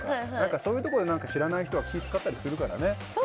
そういうところで知らない人が気を遣ったりするからね。